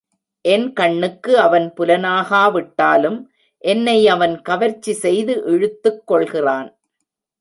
என் கண்ணுக்கு அவன் புலனாகா விட்டாலும், என்னை அவன் கவர்ச்சி செய்து இழுத்துக் கொள்கிறான்.